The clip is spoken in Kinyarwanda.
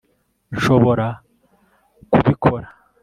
nshobora kubikora